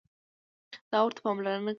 دا ورته پاملرنه کېږي.